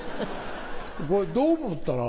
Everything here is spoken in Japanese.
これどう持ったら？